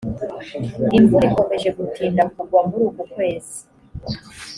imvura ikomeje gutinda kugwa muri uku kwezi